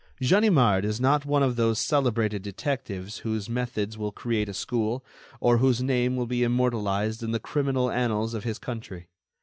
Ganimard is not one of those celebrated detectives whose methods will create a school, or whose name will be immortalized in the criminal annals of his country.